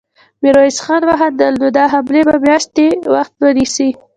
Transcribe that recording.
ميرويس خان وخندل: نو دا حملې به مياشتې وخت ونيسي.